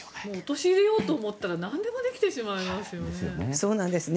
陥れようと思ったら何でもできてしまいますよね。